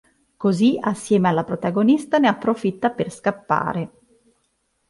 Così, assieme alla protagonista, ne approfitta per scappare.